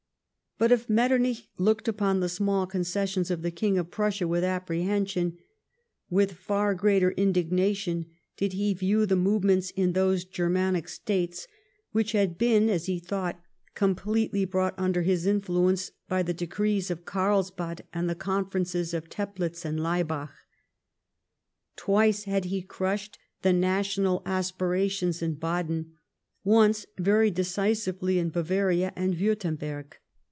But if Metternich looked upon the small concessions of the King of Prussia witli apprehension, with far greater indignation did he view the movements in those Germanic States which had been, as he thought, completely brought mider his influence by the decrees of Carlsbad and the Conferences of Teplitz and Laibach. Twice had he crushed the national as))irations in Baden ; once, very decisively, in Bavaria and AViirtemberg.